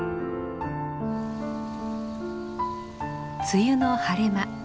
梅雨の晴れ間。